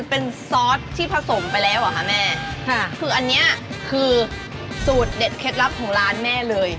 เป็นซอสที่ผสมไปแล้วเหรอคะแม่ค่ะคืออันเนี้ยคือสูตรเด็ดเคล็ดลับของร้านแม่เลย